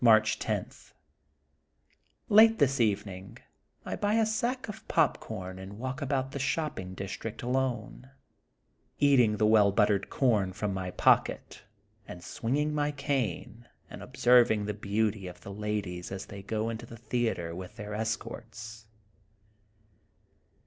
'* March 10 :— ^Late this evening I buy a sack of popcorn and walk about the shopping dis trict alone, eating the well buttered com from my pocket, and swinging my cane, and ob serving the beauty of the ladies as they go into the theatre with their escorts.